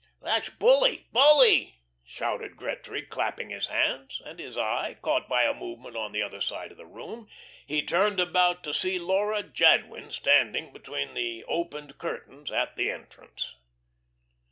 "That's bully, bully!" shouted Gretry, clapping his hands, and his eye, caught by a movement on the other side of the room, he turned about to see Laura Jadwin standing between the opened curtains at the entrance.